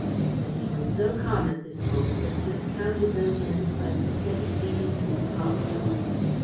And he was so calm at this moment that he could have counted those minutes by the steady beating of his pulse.